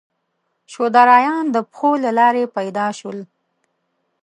شودرایان د پښو له لارې پیدا شول.